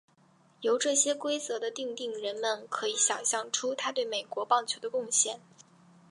由这些规则的订定人们可以想像出他对美国棒球的贡献。